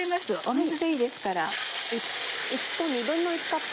水でいいですから。